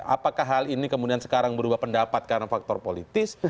apakah hal ini kemudian sekarang berubah pendapat karena faktor politis